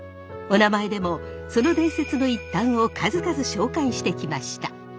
「おなまえ」でもその伝説の一端を数々紹介してきました。